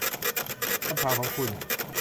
คำถามของคุณ